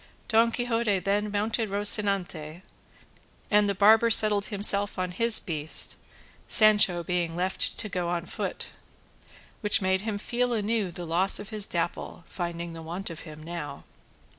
Don Quixote then mounted Rocinante, and the barber settled himself on his beast, Sancho being left to go on foot, which made him feel anew the loss of his Dapple, finding the want of him now.